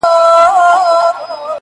• نیمايی ډوډۍ یې نه وه لا خوړلې -